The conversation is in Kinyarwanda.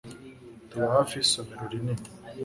tuba hafi yisomero rinini